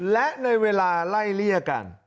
และในเวลาไล่เลี่ยกัน